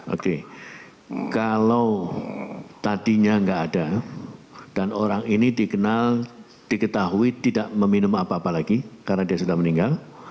oke kalau tadinya nggak ada dan orang ini dikenal diketahui tidak meminum apa apa lagi karena dia sudah meninggal